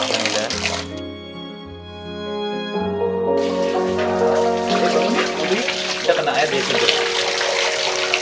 kita kena air nih sudah